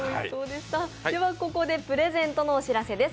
ここでプレゼントのお知らせです。